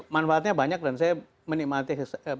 manfaatnya banyak dan saya menikmati